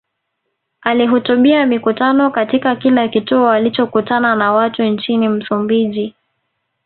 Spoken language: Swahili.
Alihutubia mikutano katika kila kituo alichokutana na watu nchini Msumbiji